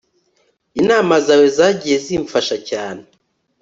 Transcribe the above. inama zawe zagiye zimfasha cyane